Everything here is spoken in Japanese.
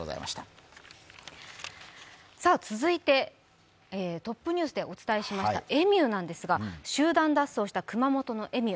続いて、トップニュースでお伝えしましたエミューなんですが、集団脱走した熊本のエミュー